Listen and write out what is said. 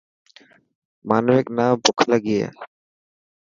مانوڪ نا بک لڳي هي.